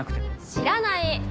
知らない！